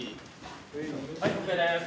はいＯＫです。